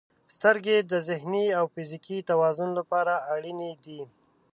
• سترګې د ذهني او فزیکي توازن لپاره اړینې دي.